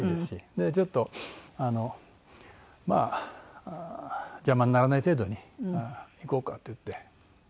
でちょっとあのまあ邪魔にならない程度に行こうかと言って行って。